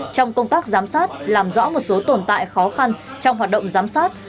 trong công tác giám sát làm rõ một số tồn tại khó khăn trong hoạt động giám sát